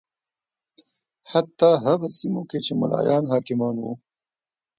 حتی هغه سیمو کې چې ملایان حاکمان و